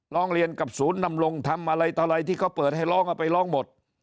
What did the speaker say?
ร้องเรียนกับศูนย์นำลงทำอะไรต่ออะไรที่เขาเปิดให้ร้องเอาไปร้องหมด